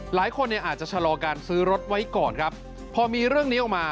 หลายคนเนี่ยอาจจะชะลอการซื้อรถไว้ก่อนครับพอมีเรื่องนี้ออกมา